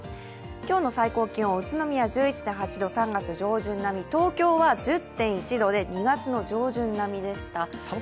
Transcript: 今日の最高気温、宇都宮１１．８度、３月上旬並み、東京は１０．１度で２月の上旬並みでした。